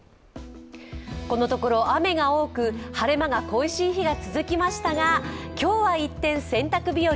このところ雨が多く、晴れ間が恋しい日が続きましたが今日は一転、洗濯日和。